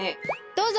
どうぞ！